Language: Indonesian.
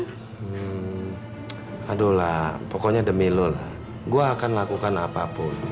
aduh lah pokoknya demi lo lah gue akan lakukan apapun